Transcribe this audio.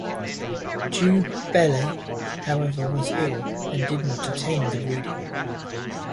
Du Bellay, however, was ill, and did not attend the reading.